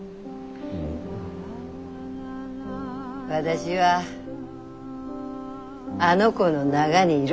私はあの子の中にいる。